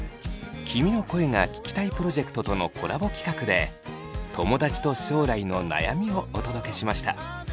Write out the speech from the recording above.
「君の声が聴きたい」プロジェクトとのコラボ企画で友だちと将来の悩みをお届けしました。